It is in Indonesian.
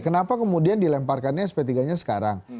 kenapa kemudian dilemparkannya sp tiga nya sekarang